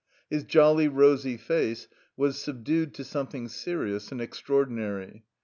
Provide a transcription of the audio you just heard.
His jolly, rosy face was subdued to something serious and extraordinary.